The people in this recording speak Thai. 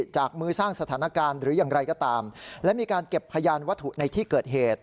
จากมือสร้างสถานการณ์หรืออย่างไรก็ตามและมีการเก็บพยานวัตถุในที่เกิดเหตุ